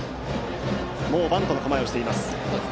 バントの構えをしています。